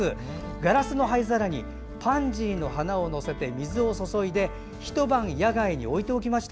ガラスの灰皿にパンジーの花を載せて水を注いでひと晩、野外に置いておきました。